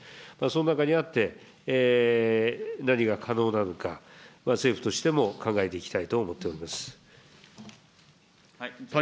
その中にあって、何が可能なのか、政府としても考えていきたいと思っております。